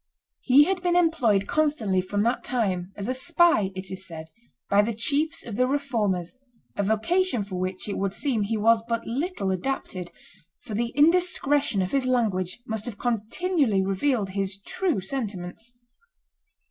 He had been employed constantly from that time, as a spy it is said, by the chiefs of the Reformers a vocation for which, it would seem, he was but little adapted, for the indiscretion of his language must have continually revealed his true sentiments.